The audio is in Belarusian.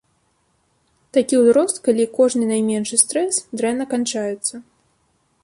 Такі ўзрост, калі кожны найменшы стрэс дрэнна канчаецца.